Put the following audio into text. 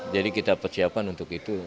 jadi kita persiapkan untuk itu